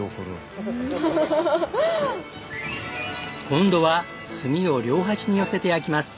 今度は炭を両端に寄せて焼きます。